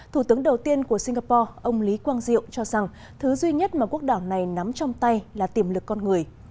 thủ tướng đầu tiên của singapore ông lý quang diệu cho rằng thứ duy nhất mà quốc đảo này nắm trong tay là tiềm lực con người